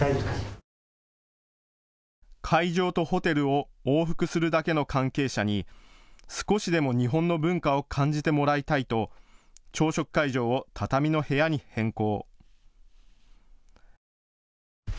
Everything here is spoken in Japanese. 会場とホテルを往復するだけの関係者に少しでも日本の文化を感じてもらいたいと朝食会場を畳の部屋に変更。